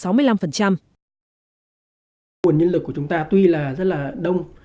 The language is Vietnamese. nguồn nhân lực của chúng ta tuy là rất là đông